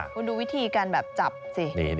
คุณดูวิธีการแบบจับสิ